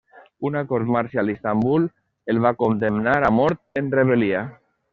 Una cort marcial a Istanbul el va condemnar a mort en rebel·lia.